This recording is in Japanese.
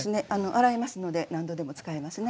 洗えますので何度でも使えます。